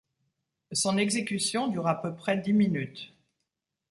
Son exécution dure à peu près dix minutes.